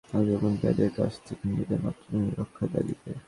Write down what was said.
Russia যুদ্ধে নেমেছিল মূলত আক্রমণকারীদের কাছ থেকে নিজেদের মাতৃভূমি রক্ষার তাগিদে।